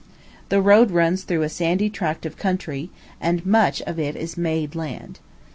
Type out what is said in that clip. The road runs through a sandy tract of country, and much of it is made land.